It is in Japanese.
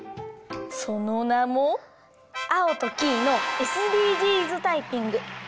そのなも「アオとキイのＳＤＧｓタイピング」。